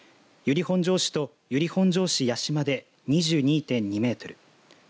由利本荘市と由利本荘市矢島で２２．２メートル